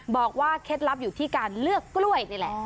เคล็ดลับอยู่ที่การเลือกกล้วยนี่แหละ